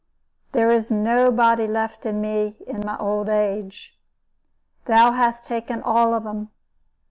There is nobody left to me in my old age. Thou hast taken all of them.